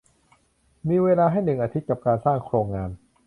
มีเวลาให้หนึ่งอาทิตย์กับการสร้างโครงงาน